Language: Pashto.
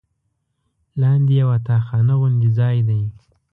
لاندې یوه تاخانه غوندې ځای دی.